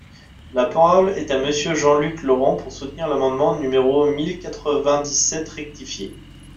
La parole est à Monsieur Jean-Luc Laurent, pour soutenir l’amendement numéro mille quatre-vingt-dix-sept rectifié.